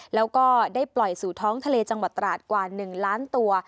แล้วก็ได้ปล่อยสู่ท้องทะเลจังหวัดตราดกว่า๑ล้านตัว